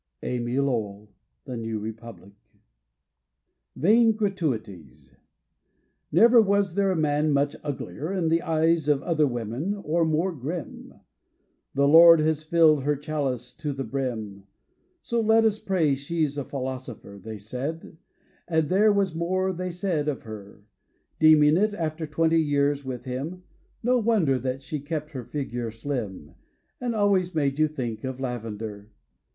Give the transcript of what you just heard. Amy Lowell — The New Republic VAIN GRATUITIES Never was there a man much uglier In the eyes of other women, or more grim : 'The Lord has flUed her chalice to the brim. So let us pray she's a philosopher," They said; and there was more they said of her— Deeming it, after twenty years with him, No wonder that she kept her flgure slim And always made you think of lavender.